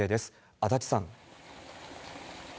足立さん。